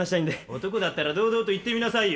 男だったら堂々と言ってみなさいよ。